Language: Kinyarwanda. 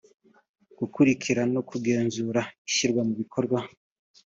gukurikira no kugenzura ishyirwa mu bikorwa